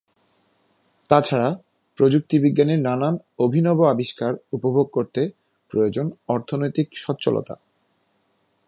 তাছাড়া প্রযুক্তি বিজ্ঞানের নানান অভিনব আবিষ্কার উপভোগ করতে প্রয়োজন অর্থনৈতিক সচ্ছলতা।